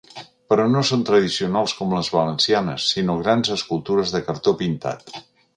Però no són tradicionals com les valencianes sinó grans escultures de cartó pintat.